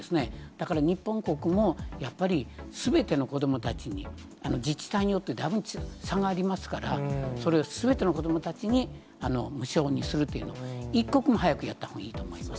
だから日本国もやっぱりすべての子どもたちに、自治体によってだいぶ差がありますから、それをすべての子どもたちに無償にするという、一刻も早くやったほうがいいと思います。